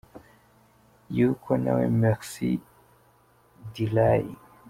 Yuko Nawe – Mercy D Lai.